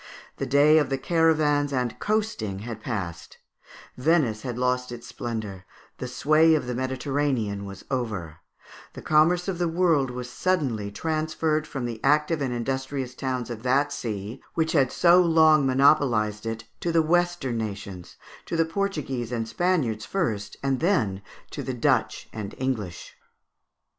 The day of caravans and coasting had passed; Venice had lost its splendour; the sway of the Mediterranean was over; the commerce of the world was suddenly transferred from the active and industrious towns of that sea, which had so long monopolized it, to the Western nations, to the Portuguese and Spaniards first, and then to the Dutch and English.